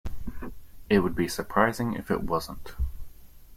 It would be surprising if it wasn't.